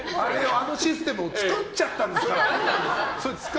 あのシステムを作っちゃったんですよ。